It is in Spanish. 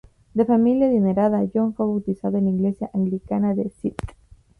De familia adinerada, John fue bautizado en la iglesia anglicana de St.